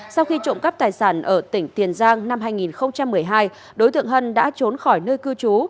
sau khi trộm cắp tài sản ở tỉnh tiền giang năm hai nghìn một mươi hai đối tượng hân đã trốn khỏi nơi cư trú